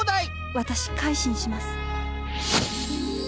私改心します。